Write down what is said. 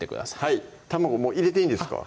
はい卵もう入れていいんですか？